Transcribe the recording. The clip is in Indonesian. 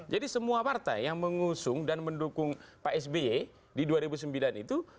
jadi semua partai yang mengusung dan mendukung pak sby di dua ribu sembilan itu